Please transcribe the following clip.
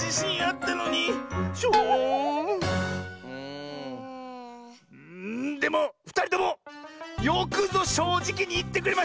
んでもふたりともよくぞしょうじきにいってくれました！